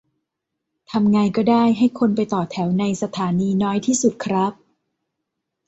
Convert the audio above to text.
ทำไงก็ได้ให้คนไปต่อแถวในสถานีน้อยที่สุดครับ